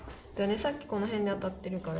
さっきこの辺で当たってるから。